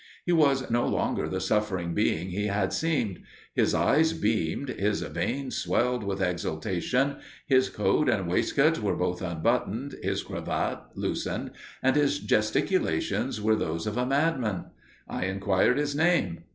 He was no longer the suffering being he had seemed: his eyes beamed, his veins swelled with exultation, his coat and waistcoat were both unbuttoned, his cravat loosened, and his gesticulations those of a madman. I inquired his name.